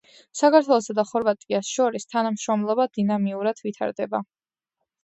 საქართველოსა და ხორვატიას შორის თანამშრომლობა დინამიურად ვითარდება.